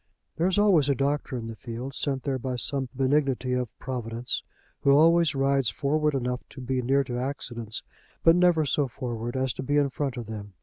There is always a doctor in the field, sent there by some benignity of providence, who always rides forward enough to be near to accidents, but never so forward as to be in front of them.